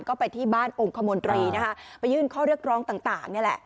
ก็ไปที่บ้านองค์คมนตรีนะคะไปยื่นข้อเรียกร้องต่างนี่แหละ